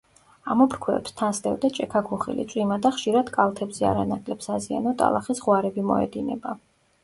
ამოფრქვევებს თან სდევს ჭექა-ქუხილი, წვიმა და ხშირად კალთებზე არანაკლებ საზიანო ტალახის ღვარები მოედინება.